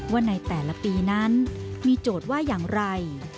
ว่าในแต่ละปีนั้นมีโจทย์ว่าอย่างไร